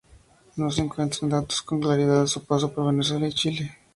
No se encuentran datos con claridad de su paso por Venezuela y Chile.